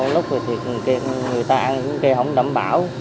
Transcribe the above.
lúc rồi thì người ta ăn người kia không đảm bảo